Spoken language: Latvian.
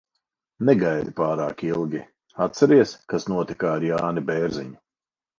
Negaidi pārāk ilgi. Atceries, kas notika ar Jāni Bērziņu?